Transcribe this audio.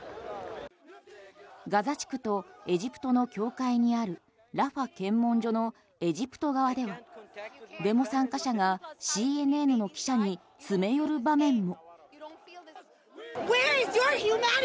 ガザ地区とエジプトの境界にあるラファ検問所のエジプト側ではデモ参加者がＣＮＮの記者に詰め寄る場面も。